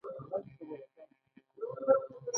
د بنسټونو پر بدلون پوهېدو لپاره پر استعمار رڼا اچوو.